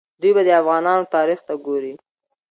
دوی به د افغانانو تاریخ ته ګوري.